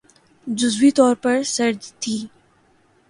جزوی طور پر سرد تھِی